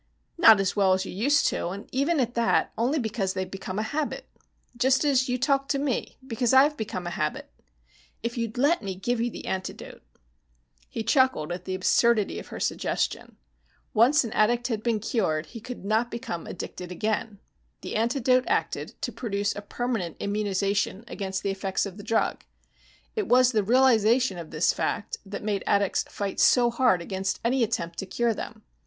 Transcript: "Not as well as you used to, and even at that, only because they've become a habit. Just as you talk to me, because I've become a habit. If you'd let me give you the antidote " He chuckled at the absurdity of her suggestion. Once an addict had been cured, he could not become addicted again. The antidote acted to produce a permanent immunization against the effects of the drug. It was the realization of this fact that made addicts fight so hard against any attempt to cure them.